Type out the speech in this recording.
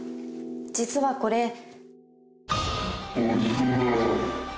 実はこれ